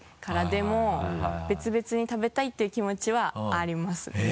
でも別々に食べたいという気持ちはありますね。